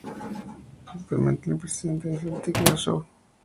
Actualmente es el presidente del Celtic de Glasgow.